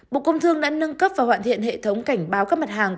bộ công thương đã nâng cấp và hoàn thiện hệ thống cảnh báo các mặt hàng